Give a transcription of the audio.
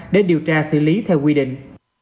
để điều tra xử lý theo quy định